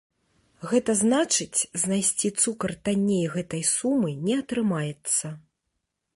Гэта значыць, знайсці цукар танней гэтай сумы не атрымаецца.